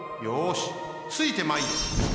よしついてまいれ！